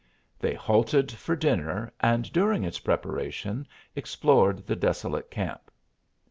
They halted for dinner and during its preparation explored the desolate camp.